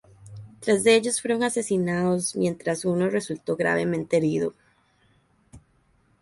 Tres de ellos fueron asesinados mientras uno resultó gravemente herido.